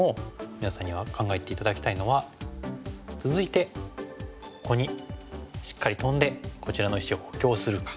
皆さんには考えて頂きたいのは続いてここにしっかりトンでこちらの石を補強するか。